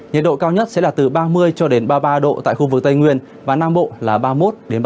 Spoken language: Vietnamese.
nhiệt độ cao nhất sẽ đạt từ ba mươi ba mươi ba độ tại khu vực tây nguyên và nam bộ là ba mươi một ba mươi bốn độ